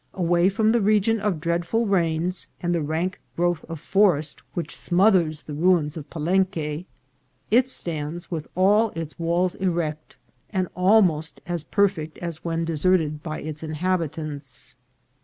Away from the region of dreadful rains, and the rank growth of forest which smothers the ruins of Palenque, it stands with all its walls erect, and almost as perfect as when deserted by its inhabitants.